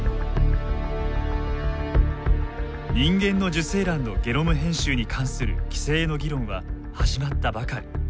人間の受精卵のゲノム編集に関する規制の議論は始まったばかり。